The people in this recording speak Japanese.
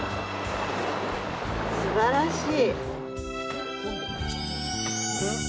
すばらしい。